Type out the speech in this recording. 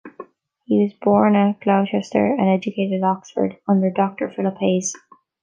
He was born at Gloucester, and educated at Oxford under Doctor Philip Hayes.